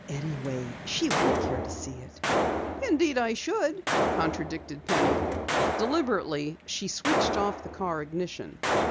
"Anyway, she wouldn't care to see it." "Indeed, I should," contradicted Penny. Deliberately she switched off the car ignition.